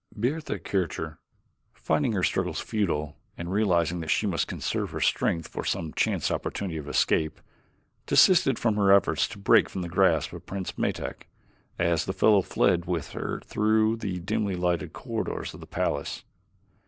Bertha Kircher, finding her struggles futile and realizing that she must conserve her strength for some chance opportunity of escape, desisted from her efforts to break from the grasp of Prince Metak as the fellow fled with her through the dimly lighted corridors of the palace.